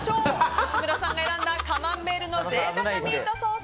吉村さんが選んだカマンベールの贅沢ミートソース。